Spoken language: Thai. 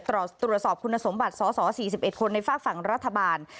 ตรวจสอบคุณสมบัติสอสอ๔๑คนในฝากฝั่งรัฐบาล